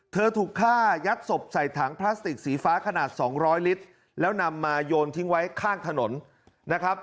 ถูกฆ่ายัดศพใส่ถังพลาสติกสีฟ้าขนาด๒๐๐ลิตรแล้วนำมาโยนทิ้งไว้ข้างถนนนะครับ